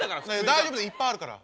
大丈夫だよいっぱいあるから。